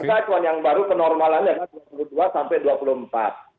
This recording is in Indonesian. acuan yang baru kenormalannya adalah rp dua puluh dua rp dua puluh empat